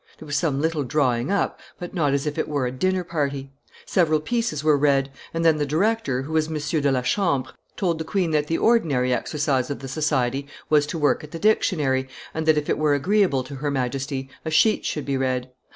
There was some little drawing up, but not as if it were a dinner party. ... Several pieces were read; and then the director, who was M. de la Chambre, told the queen that the ordinary exercise of the society was to work at the Dictionary, and that, if it were agreeable to her Majesty, a sheet should be read.